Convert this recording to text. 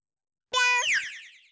ぴょん！